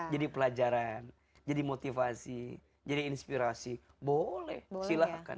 jadi pelajaran jadi motivasi jadi inspirasi boleh silahkan